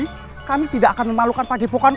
jadi kami tidak akan memalukan padebo kan kami